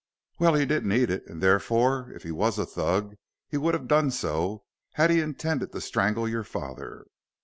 "Well, he didn't eat it, and therefore, if he was a Thug, he would have done so, had he intended to strangle your father."